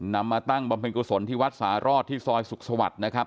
มาตั้งบำเพ็ญกุศลที่วัดสารอดที่ซอยสุขสวรรค์นะครับ